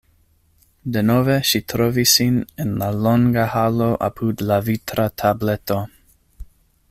Denove ŝi trovis sin en la longa halo apud la vitra tableto.